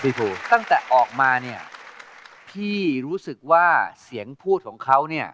ถูกตั้งแต่ออกมาเนี่ยพี่รู้สึกว่าเสียงพูดของเขาเนี่ย